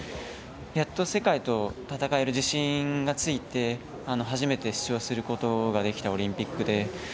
やっと世界と戦える自信がついて初めて出場することができたオリンピックで。